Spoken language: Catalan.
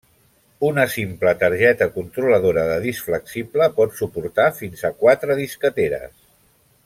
Una simple targeta controladora de disc flexible pot suportar fins a quatre disqueteres.